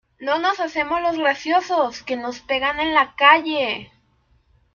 No nos hacemos los graciosos, que nos pegan en la calle.